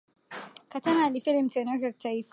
Katana alifeli mtihani wake wa kitaifa